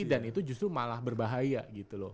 dan itu justru malah berbahaya gitu loh